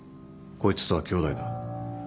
こいつとは兄弟だ。